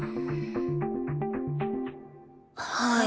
はい。